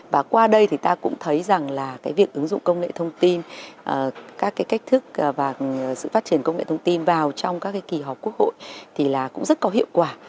và qua đây thì ta cũng thấy rằng là cái việc ứng dụng công nghệ thông tin các cái cách thức và sự phát triển công nghệ thông tin vào trong các cái kỳ họp quốc hội thì là cũng rất có hiệu quả